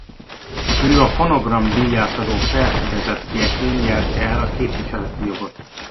Ő a Fonogram díjátadó felfedezettjeként nyerte el a képviseleti jogot.